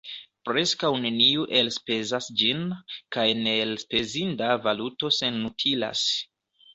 Preskaŭ neniu elspezas ĝin, kaj neelspezinda valuto senutilas.